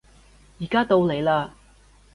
而家到你嘞